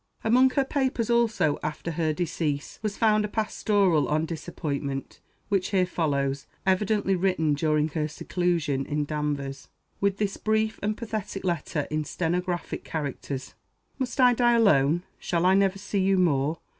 Among her papers, also, after her decease, was found a pastoral on "Disappointment," which here follows, evidently written during her seclusion in Danvers, with this brief and pathetic letter in stenographic characters: "Must I die alone? Shall I never see you more?